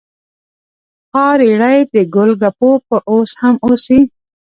ها ریړۍ د ګول ګپو به اوس هم اوسي؟